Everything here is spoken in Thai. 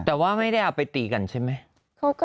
แต่ว่าไม่ได้เอาไปตีกันใช่ไหม